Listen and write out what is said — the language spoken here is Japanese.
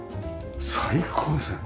最高ですよね。